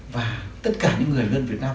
và tất cả những người đã có thể nhận được